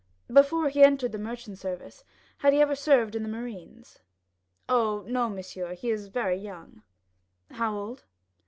"Before he entered the merchant service, had he ever served in the marines?" "Oh, no, monsieur, he is very young." "How old?"